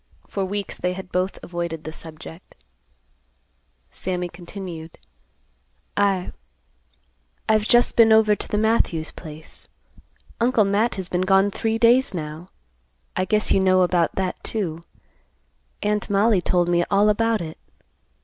For weeks they had both avoided the subject. Sammy continued; "I—I've just been over to the Matthews place. Uncle Matt has been gone three days now. I guess you know about that, too. Aunt Mollie told me all about it.